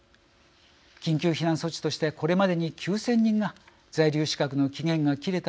緊急避難措置としてこれまでに９０００人が在留資格の期限が切れた